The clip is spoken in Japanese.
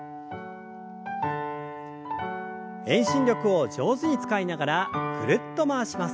遠心力を上手に使いながらぐるっと回します。